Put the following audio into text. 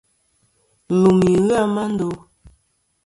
Lùmi ghɨ a ma ndo.